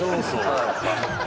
はい。